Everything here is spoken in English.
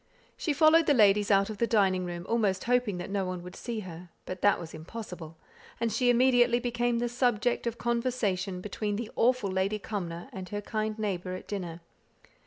She followed the ladies out of the dining room, almost hoping that no one would see her. But that was impossible, and she immediately became the subject of conversation between the awful Lady Cumnor and her kind neighbour at dinner.